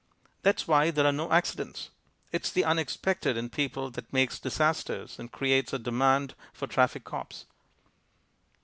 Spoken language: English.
That's why there are no accidents. It's the unexpected in people that makes disasters and creates a demand for traffic cops.